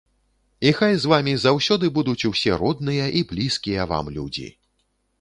І хай з вамі заўсёды будуць усе родныя і блізкія вам людзі!